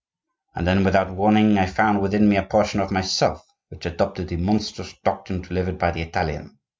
And then, without warning, I found within me a portion of myself which adopted the monstrous doctrine delivered by the Italian.